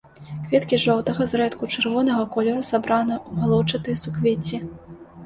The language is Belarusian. Кветкі жоўтага, зрэдку чырвонага колеру, сабраныя ў галоўчатыя суквецці.